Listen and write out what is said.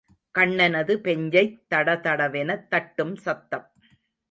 கண்ணனது பெஞ்சைத் தடதடவென தட்டும் சத்தம்.